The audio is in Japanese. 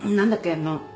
あの。